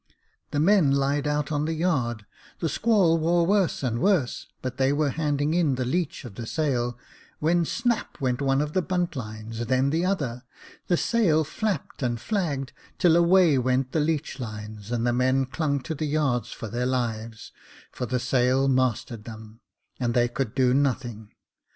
The men lied out on the yard, the squall wore worse and worse, but they were handing in the leech of the sail, when snap went one bunt line, then the other, the sail flapped and flagged, till away went the leech lines, and the men clung to the yards for their lives ; for the sail mastered them, and they could do nothing.